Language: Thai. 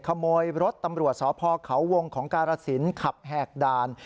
ขโมยรถตำรวจสพเขาวงของการสินขับแหกด่าน